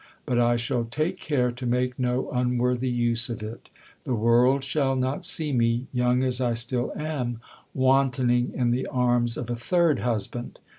But I shall take care to make no unworthy use of it. The world shall not see me, young as I still am, wantoning in the arms of a third husband.